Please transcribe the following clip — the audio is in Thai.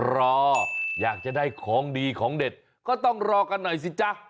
รออยากจะได้ของดีของเด็ดก็ต้องรอกันหน่อยสิจ๊ะ